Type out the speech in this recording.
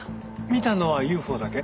見たのはＵＦＯだけ？